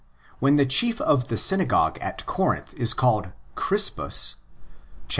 When the chief of the synagogue at Corinth is called Crispus (xviii.